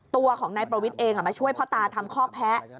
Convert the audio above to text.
ตัวของนายประวิทย์เองมาช่วยพ่อตาทำคอกแพ้